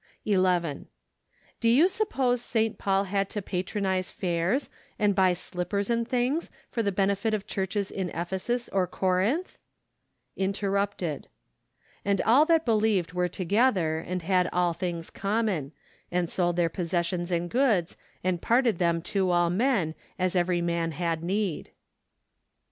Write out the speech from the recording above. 114 OCTOBER. 11. Bo you suppose St. Paul had to pat¬ ronize fairs, and buy slippers and things, for the benefit of churches in Ephesus or Corinth ? Interrupted. " And all that believed were together , and had all things common ; And sold their possessions and goods, and parted them to all men, as every man had need.'